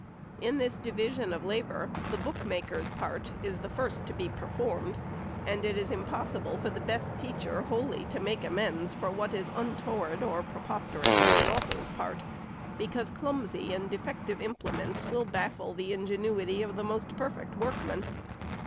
In this division of labor, the book maker's part is first to be performed, and it is impossible for the best teacher wholly to make amends for what is untoward or preposterous on the author's part ; because clumsy and defective implements will baffle the ingenuity of the most perfect workman.